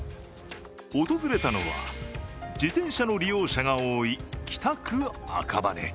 訪れたのは自転車の利用者が多い北区赤羽。